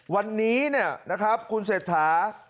วันนี้เนี่ยนะครับคุณเศรษฐา